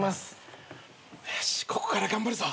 よしここから頑張るぞ。